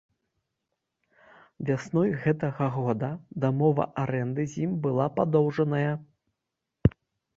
Вясной гэтага года дамова арэнды з ім была падоўжаная.